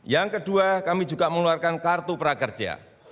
yang kedua kami juga mengeluarkan kartu prakerja